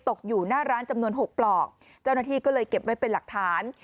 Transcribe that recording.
ตกอยู่หน้าร้านจำนวนหกปลอกเจ้าหน้าที่ก็เลยเก็บไว้เป็นหลักฐาน